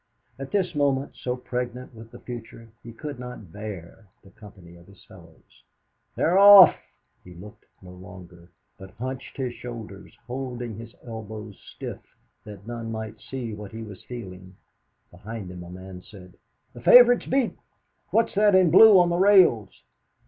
At this moment, so pregnant with the future, he could not bear the company of his fellows. "They're off!" He looked no longer, but hunched his shoulders, holding his elbows stiff, that none might see what he was feeling. Behind him a man said: "The favourite's beat. What's that in blue on the rails?"